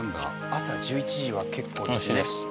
朝１１時は結構ですね。